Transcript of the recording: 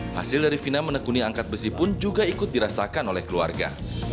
hasil dari fina menekuni angkat besi pun juga ikut dirasakan oleh keluarga